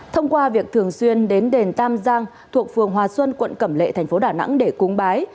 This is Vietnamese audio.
thông qua việc thường xuyên đến đền tam giang thuộc phường hòa xuân quận cẩm lệ thành phố đà nẵng để cúng bái